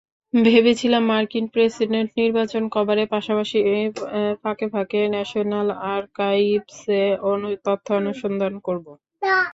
ভেবেছিলাম, মার্কিন প্রেসিডেন্ট নির্বাচন কভারের পাশাপাশি ফাঁকে ফাঁকে ন্যাশনাল আর্কাইভসে তথ্যানুসন্ধান করব।